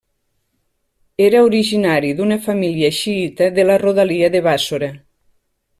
Era originari d'una família xiïta de la rodalia de Bàssora.